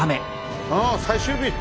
ああ最終日！